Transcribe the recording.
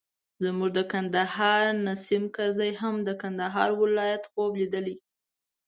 زموږ د کندهار نیسم کرزي هم د کندهار د ولایت خوب لیدلی.